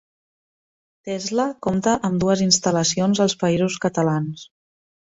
Tesla compta amb dues instal·lacions als Països Catalans.